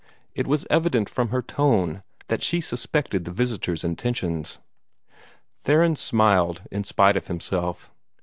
It was evident from her tone that she suspected the visitor's intentions. Theron smiled in spite of himself.